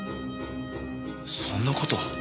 そんな事。